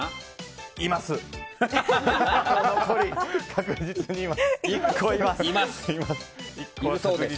確実に１個います。